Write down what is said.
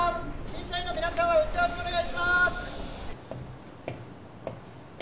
審査員の皆さんは打ち合わせお願いします！